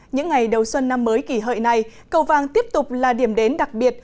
những ngày đầu xuân năm mới kỷ hợi này cầu vàng tiếp tục là điểm đến đặc biệt